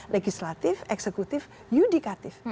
legislatif eksekutif yudikatif